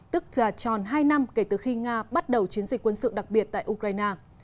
tức là tròn hai năm kể từ khi nga bắt đầu chiến dịch quân sự đặc biệt tại ukraine